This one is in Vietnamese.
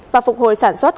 và phục hồi sản xuất